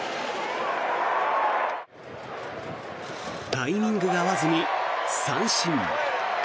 タイミングが合わずに三振。